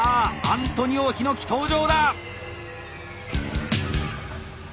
アントニオ陽樹登場だ！